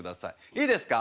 いいですか？